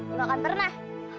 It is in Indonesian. enggak akan pernah